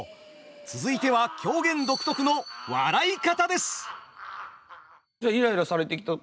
続いては狂言独特の「笑い方」です。